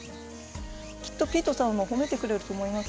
きっとピートさんも褒めてくれると思います